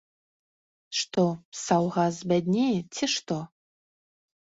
Што, саўгас збяднее, ці што?